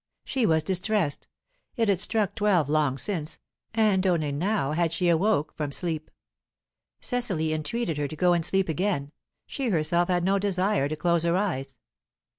She was distressed; it had struck twelve long since, and only now had she awoke from sleep. Cecily entreated her to go and sleep again; she herself had no desire to close her eyes.